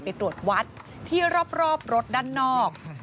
ไปตรวจวัดที่รอบรถด้านนอก